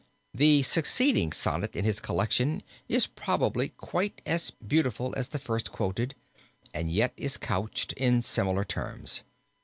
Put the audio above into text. The succeeding sonnet in his collection is probably quite as beautiful as the first quoted, and yet is couched in similar terms.